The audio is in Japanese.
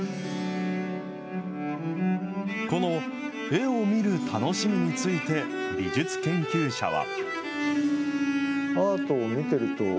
この絵を見る楽しみについて、美術研究者は。